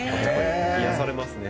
癒やされます。